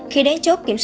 khi đến chốt kiểm tra